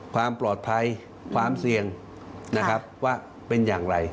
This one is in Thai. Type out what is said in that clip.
ความปลอดภัยความเสี่ยงนะครับว่าเป็นอย่างไร